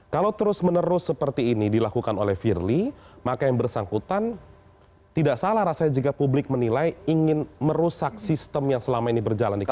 kalau terus menerus seperti ini dilakukan oleh firly maka yang bersangkutan tidak salah rasanya jika publik menilai ingin merusak sistem yang selama ini berjalan di kpk